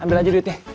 ambil aja duitnya